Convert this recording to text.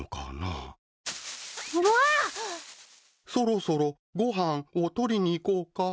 そろそろご飯をとりに行こうか。